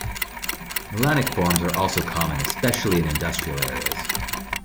Melanic forms are also common, especially in industrial areas.